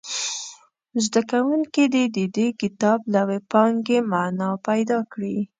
زده کوونکي دې د دې کتاب له وییپانګې معنا پیداکړي.